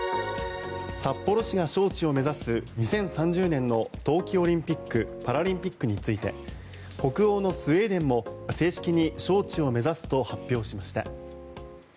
札幌市が招致を目指す２０３０年の冬季オリンピック・パラリンピックについて北欧のスウェーデンも正式に招致を目指すと発表しました。